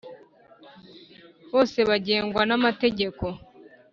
Bose bagengwa n’amategeko